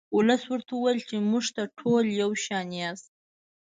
ولس ورته وویل چې موږ ته ټول یو شان یاست.